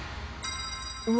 うわ！